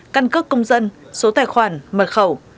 căn cước công dân số tài khoản mật khẩu